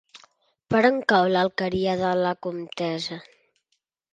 Per on cau l'Alqueria de la Comtessa?